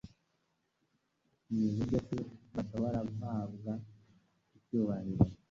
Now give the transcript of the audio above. Ni buryo ki bashobora guhabwa icyubahiro